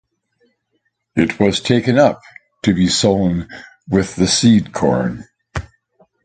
It was taken up to be sown with the seed-corn.